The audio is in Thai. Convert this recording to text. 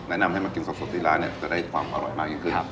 แนะนำให้มากินสดที่ร้านเนี่ยจะได้ความอร่อยมากยิ่งขึ้น